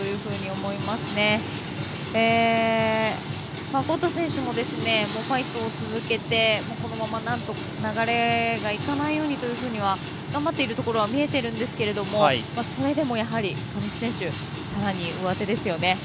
ファンコート選手もファイトを続けてこのまま、なんとか流れがいかないようにと頑張っているところは見えているんですけれどもそれでも、やはり上地選手さらにうわてですね。